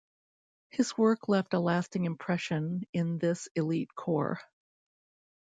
His work left a lasting impression in this elite corps.